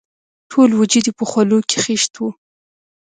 ټول وجود یې په خولو کې خیشت وو.